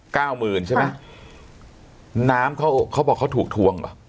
เก้ามือนใช่ไหมค่ะน้ำเขาเขาบอกเขาถูกทวงหรอ